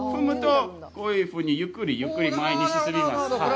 こういうふうにゆっくりゆっくり前に進みます。